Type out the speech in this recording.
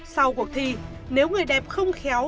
sau cuộc thi nếu người đẹp không khéo